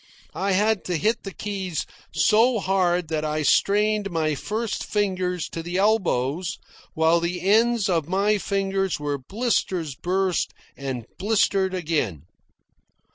I had to hit the keys so hard that I strained my first fingers to the elbows, while the ends of my fingers were blisters burst and blistered again.